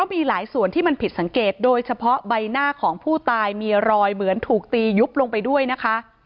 มีหลายส่วนที่มันผิดสังเกตโดยเฉพาะใบหน้าของผู้ตายมีรอยเหมือนถูกตียุบลงไปด้วยนะคะ